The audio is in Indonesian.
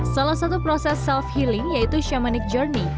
salah satu proses self healing yaitu shamic journey